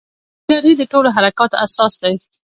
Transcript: انرژي د ټولو حرکاتو اساس دی.